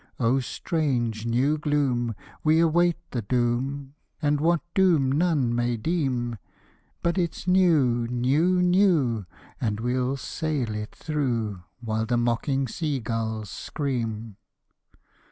O strange new gloom! we await the doom, And what doom none may deem; But it's new, new, new and we'll sail it through, While the mocking sea gulls scream.